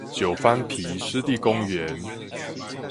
九番埤濕地公園